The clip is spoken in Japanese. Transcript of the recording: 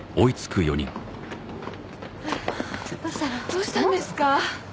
どうしたんですか？